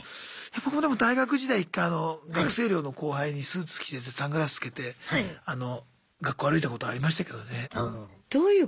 僕もでも大学時代１回あの学生寮の後輩にスーツ着せてサングラスつけて学校歩いたことありましたけどね。